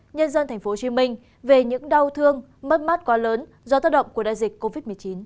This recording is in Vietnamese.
nhân dân tp hcm về những đau thương mất mát quá lớn do tác động của đại dịch covid một mươi chín